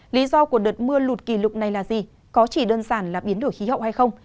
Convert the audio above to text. lý do của đợt mưa lụt kỷ lục này là gì có chỉ đơn giản là biến đổi khí hậu hay không